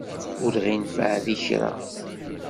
Ur ɣ-ineffeɛ di kra.